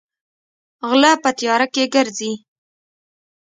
غلۀ پۀ تيارۀ کښې ګرځي ـ